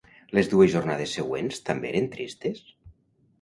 Les dues jornades següents també eren tristes?